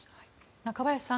中林さん